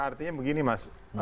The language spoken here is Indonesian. artinya begini mas